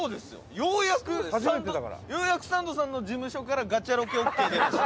ようやくサンドさんの事務所からガチャロケオーケー出ました。